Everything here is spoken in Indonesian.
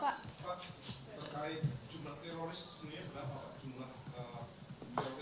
sudah mengawal yang terbuat